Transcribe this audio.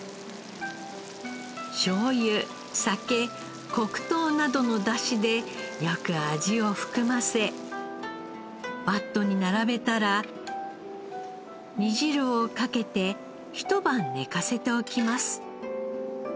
しょうゆ酒黒糖などの出汁でよく味を含ませバットに並べたら煮汁をかけてひと晩寝かせておきます。